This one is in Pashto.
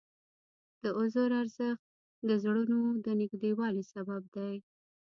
د عذر ارزښت د زړونو د نږدېوالي سبب دی.